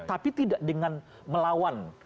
tapi tidak dengan melawan